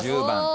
１０番。